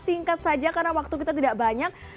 singkat saja karena waktu kita tidak banyak